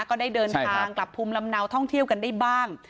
ก็ได้เดินทางกลับภูมิลำเนาท่องเที่ยวกันได้บ้าง